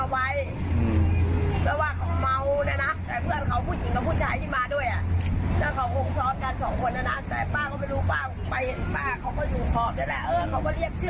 แต่ป้าเขาไม่รู้ป้าไปป้าเขาก็อยู่ขอบนั่นแหละเออเขาก็เรียกชื่อ